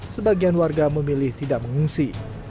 sebagian warga memilih tidak mengungsi